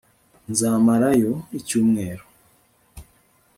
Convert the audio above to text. nzamarayo icyumweru